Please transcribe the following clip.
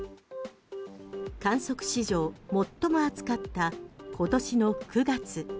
観測史上最も暑かった今年の９月。